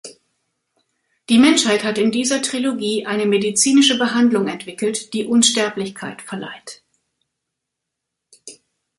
Die Menschheit hat in dieser Trilogie eine medizinische Behandlung entwickelt, die Unsterblichkeit verleiht.